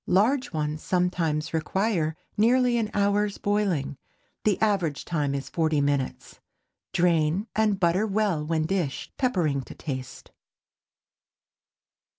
Large ones sometimes require nearly an hour's boiling. The average time is forty minutes. Drain and butter well when dished, peppering to taste.